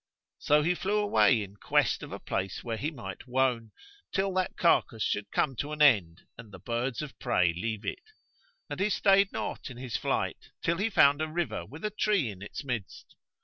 So he flew away in quest of a place where he might wone, till that carcass should come to an end and the birds of prey leave it; and he stayed not in his flight, till he found a river with a tree in its midst.